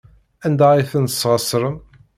Anda ay tent-tesɣesrem?